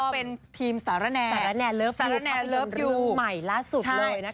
เป็นทีมสาระแนสาระแนเลิฟอยู่สาระแนเลิฟอยู่ใหม่ล่าสุดเลยนะคะ